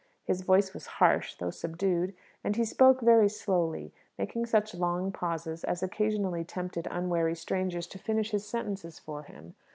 His voice was harsh, though subdued, and he spoke very slowly, making such long pauses as occasionally tempted unwary strangers to finish his sentences for him.